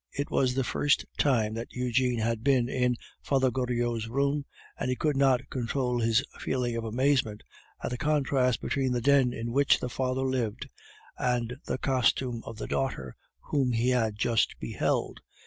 It was the first time that Eugene had been in Father Goriot's room, and he could not control his feeling of amazement at the contrast between the den in which the father lived and the costume of the daughter whom he had just beheld.